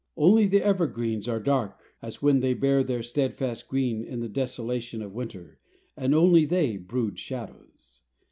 Only the evergreens are dark as when they bear their steadfast green in the desolation of winter, and only they brood shadows.